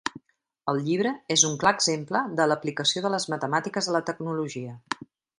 El llibre és un clar exemple de l'aplicació de les matemàtiques a la tecnologia.